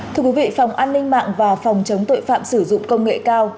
thưa quý vị phòng an ninh mạng và phòng chống tội phạm sử dụng công nghệ cao